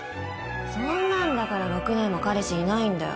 そんなんだから６年も彼氏いないんだよ。